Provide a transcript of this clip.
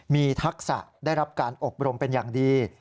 มีทักษะได้รับการอบรมเป็นอย่างดี